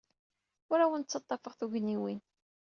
Ur awent-d-ttaḍḍafeɣ tugniwin.